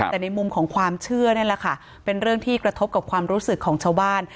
แต่ในมุมของความเชื่อนี่แหละค่ะเป็นเรื่องที่กระทบกับความรู้สึกของชาวบ้าน